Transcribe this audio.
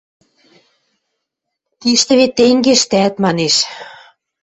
Тиштӹ вет тенге ӹштӓт... – манеш.